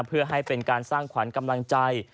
เพื่อให้เป็นการสร้างขวัญกำลังใจ